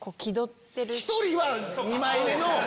１人は二枚目の。